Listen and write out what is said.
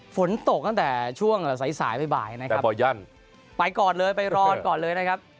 ฝนตกตั้งแต่ช่วงสายสายบ่ายนะครับบ่อยั่นไปก่อนเลยไปรอก่อนเลยนะครับ